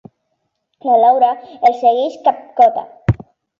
La Laura els segueix capcota.